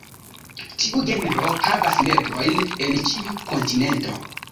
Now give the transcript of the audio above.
Tiu genro havas membrojn en ĉiu kontinento.